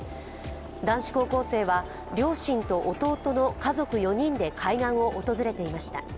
男子高校生は両親と弟の家族４人で海岸を訪れていました。